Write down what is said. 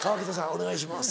お願いします。